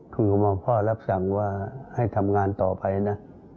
คุณหมอพ่อรับสั่งว่าให้ทำงานต่อไปนะ